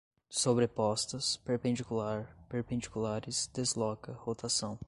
sobrepostas, perpendicular, perpendiculares, desloca, rotação